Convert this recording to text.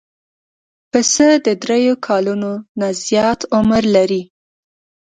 پسه د درېیو کلونو نه زیات عمر لري.